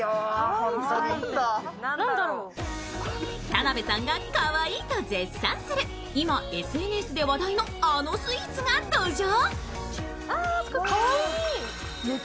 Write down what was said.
田辺さんがかわいいと絶賛する、今ＳＮＳで話題のあのスイーツが登場